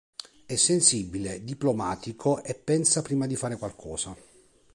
È sensibile, diplomatico e pensa prima di fare qualcosa.